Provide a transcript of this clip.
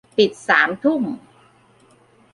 ปิดสามทุ่ม